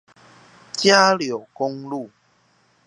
嘉柳公路